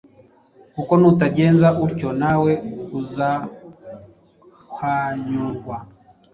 kuko nutagira utyo, nawe uzahwanyurwa.”